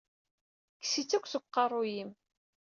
Kkes-itt akk seg uqeṛṛu-yim!